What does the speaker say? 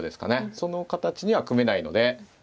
その形には組めないので。